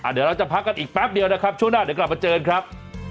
เดี๋ยวเราจะพักกันอีกแป๊บเดียวนะครับช่วงหน้าเดี๋ยวกลับมาเจอกันครับ